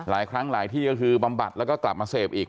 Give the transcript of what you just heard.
หลายครั้งหลายที่ก็คือบำบัดแล้วก็กลับมาเสพอีก